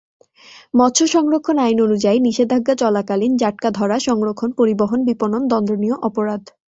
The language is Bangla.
মৎস্য সংরক্ষণ আইন অনুযায়ী, নিষেধাজ্ঞাকালীন জাটকা ধরা, সংরক্ষণ, পরিবহন, বিপণন দণ্ডনীয় অপরাধ।